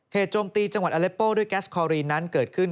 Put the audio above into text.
โจมตีจังหวัดอเลโป้ด้วยแก๊สคอรีนนั้นเกิดขึ้น